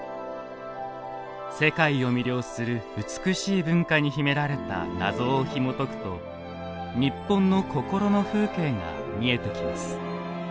世界を魅了する美しい文化に秘められた謎をひもとくと日本の心の風景が見えてきます。